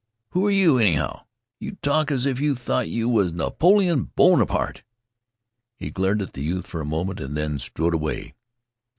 Who are you, anyhow. You talk as if you thought you was Napoleon Bonaparte." He glared at the youth for a moment, and then strode away.